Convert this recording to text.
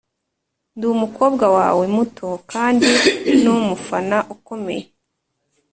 ndi umukobwa wawe muto kandi numufana ukomeye